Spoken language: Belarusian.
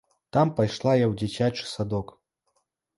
Там пайшла я ў дзіцячы садок.